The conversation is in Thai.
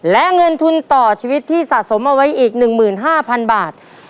และเงินทุนต่อชีวิตที่สะสมเอาไว้อีก๑๕๐๐๐บาท